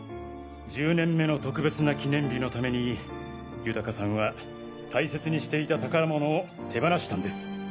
１０年目の特別な記念日のために豊さんは大切にしていた宝物を手放したんです。